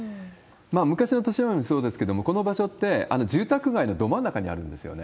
昔のとしまえんもそうですけれども、この場所って住宅街のど真ん中にあるんですよね。